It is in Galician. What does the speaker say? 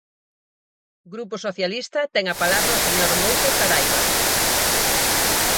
Grupo Socialista, ten a palabra o señor Mouzo Saraiba.